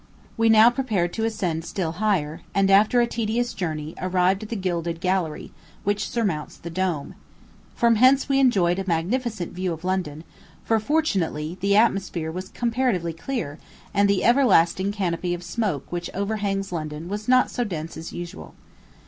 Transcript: We now prepared to ascend still higher, and, after a tedious journey, arrived at the gilded gallery, which surmounts the dome. From hence we enjoyed a magnificent view of London, for, fortunately, the atmosphere was comparatively clear, and the everlasting canopy of smoke which overhangs London was not so dense as usual.